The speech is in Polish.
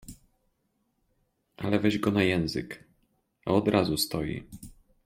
Ale weź go na język, a od razu stoi.